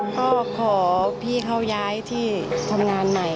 ก็ขอพี่เขาย้ายที่ทำงานใหม่